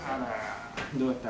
どうだった？